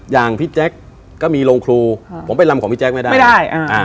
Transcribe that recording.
อย่างพี่แจ๊คก็มีโรงครูผมไปลำของพี่แจ๊คไม่ได้ไม่ได้อ่า